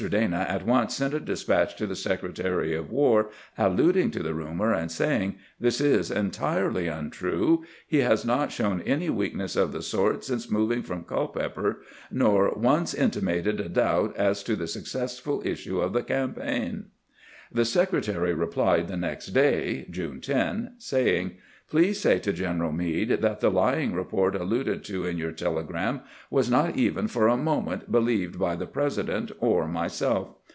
Dana at once sent a despatch to the Secretary of War, alluding to the rumor, and saying: "This is entirely untrue. He has not shown any weakness of the sort since moving from Culpeper, nor once inti mated a doubt as to the successful issue of the campaign." The Secretary replied the next day (June 10), saying: "Please say to General Meade that the lying report alluded to in your telegram was not even for a moment believed by the President or myself.